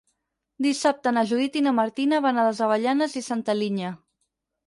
Dissabte na Judit i na Martina van a les Avellanes i Santa Linya.